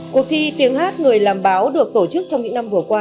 cuộc thi tiếng hát người làm báo được tổ chức trong những năm vừa qua